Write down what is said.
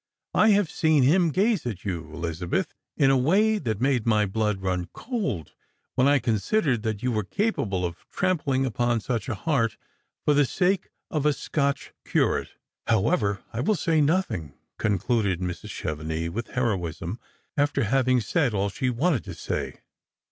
I have seen him gaze at you, Elizabeth, in a way that made my blood run cold when I considered that you were capable of trampling upon such a heart for the sake of a Scotch curate. However, I will say nothing," concluded Mrs. Chevenix with heroism, after havitg said all she wanted to say.